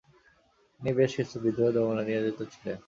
তিনি বেশ কিছু বিদ্রোহ দমনে নিয়োজিত ছিলেন।